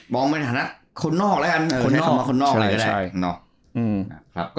มองเป็นฐานะคนนอกแหละอันนี้ใช้คำว่าคนนอกแหละ